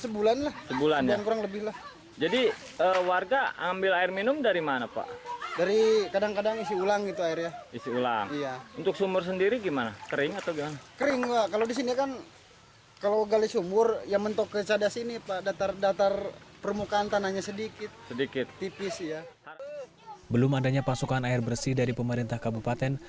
belum adanya pasukan air bersih dari pemerintah kabupaten